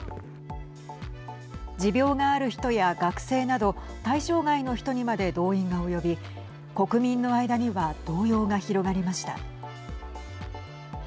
持病がある人や学生など対象外の人にまで動員が及び国民の間には動揺が広がりました。